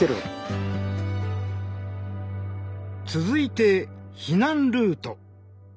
続いて避難ルート。